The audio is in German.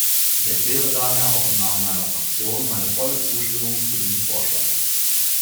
Ich erkläre daher auch im Namen meiner Fraktion meine volle Zustimmung zu diesem Vorschlag.